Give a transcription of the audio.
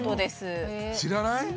知らない。